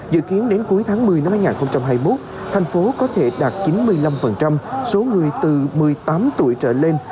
dự kiến đến cuối tháng một mươi năm hai nghìn hai mươi một thành phố có thể đạt chín mươi năm số người từ một mươi tám tuổi trở lên